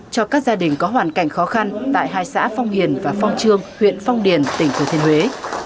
cho các gia đình có hoàn cảnh khó khăn tại hai xã phong hiền và phong trương huyện phong điền tỉnh thừa thiên huế